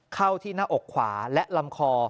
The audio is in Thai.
เข้าที่หน้าอกขวาและลำคอ